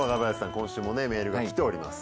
今週もねメールが来ております。